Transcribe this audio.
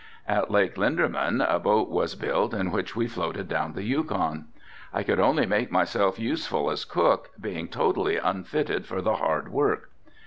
At Lake Linderman a boat was built in which we floated down the Yukon, I could only make myself useful as cook, being totally unfitted for the hard work.